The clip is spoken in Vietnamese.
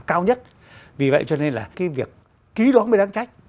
cao nhất vì vậy cho nên là cái việc ký đó mới đáng trách